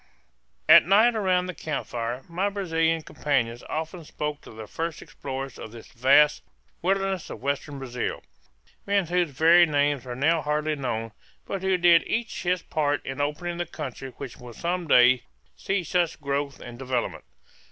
At night around the camp fire my Brazilian companions often spoke of the first explorers of this vast wilderness of western Brazil men whose very names are now hardly known, but who did each his part in opening the country which will some day see such growth and development.